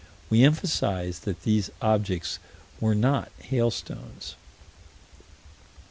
We emphasize that these objects were not hailstones.